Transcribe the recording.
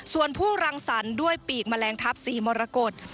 ส่วนผู้รังสรรค์ด้วยปีกแมลงทัพ๔มรกฏ